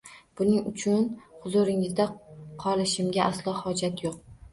- Buning uchun huzuringizda qolishimga aslo hojat yo‘q.